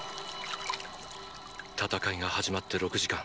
戦いが始まって６時間。